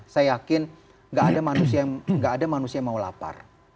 saya yakin nggak ada manusia yang mau lapar